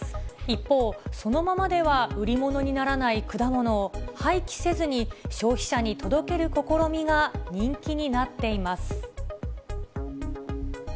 一方、そのままでは売り物にならない果物を、廃棄せずに消費者に届ける試みが人気になっています。